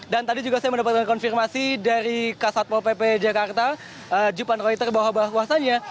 dan tadi juga saya mendapatkan konfirmasi dari ksatpo pp jakarta jepang reuters bahwa bahwasannya